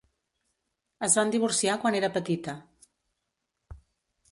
Es van divorciar quan era petita.